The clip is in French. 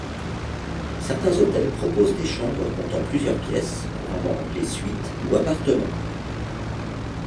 Certains hôtels proposent des chambres comptant plusieurs pièces, couramment appelées suites ou appartements.